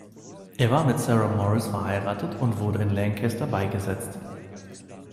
Er war mit Sarah Morris verheiratet und wurde in Lancaster beigesetzt.